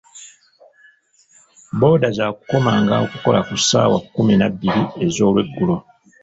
Booda za kukomanga okukola ku ssaawa kkumi na bbiri ez'olweggulo.